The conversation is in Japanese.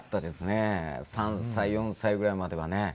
３歳４歳ぐらいまではね。